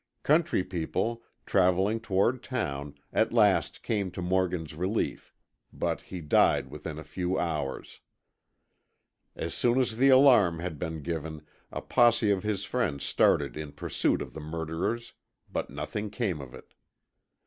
Country people, traveling toward town, at last came to Morgan's relief, but he died within a few hours. As soon as the alarm had been given, a posse of his friends started in pursuit of the murderers, but nothing came of it.